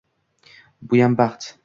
Buyam baxt!..